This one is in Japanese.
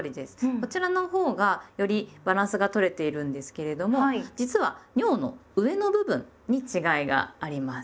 こちらのほうがよりバランスがとれているんですけれども実は「にょう」の上の部分に違いがあります。